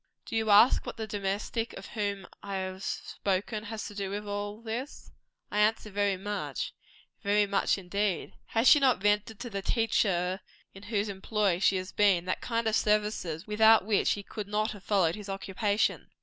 Do you ask what the domestic of whom I have spoken has to do with all this? I answer, much very much indeed. Has she not rendered to the teacher in whose employ she has been, that kind of services, without which he could not have followed his occupation?